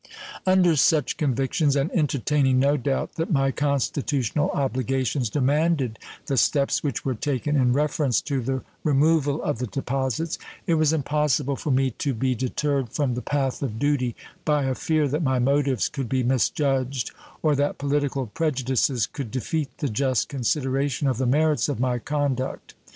Under such convictions, and entertaining no doubt that my constitutional obligations demanded the steps which were taken in reference to the removal of the deposits, it was impossible for me to be deterred from the path of duty by a fear that my motives could be misjudged or that political prejudices could defeat the just consideration of the merits of my conduct.